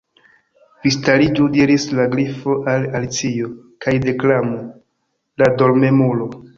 "Vi stariĝu," diris la Grifo al Alicio, "kaj deklamu ' la Dormemulo.'"